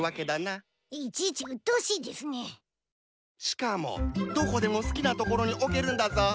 しかもどこでも好きな所に置けるんだぞ。